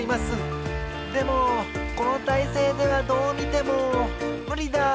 でもこのたいせいではどうみてもむりだ。